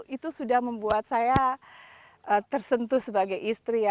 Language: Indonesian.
itu sudah membuat saya tersentuh sebagai istri ya